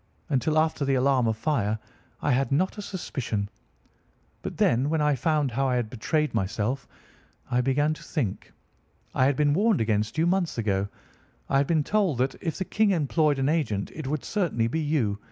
Until after the alarm of fire, I had not a suspicion. But then, when I found how I had betrayed myself, I began to think. I had been warned against you months ago. I had been told that, if the King employed an agent, it would certainly be you.